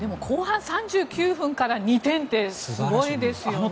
後半３９分から２点ってすごいですよね。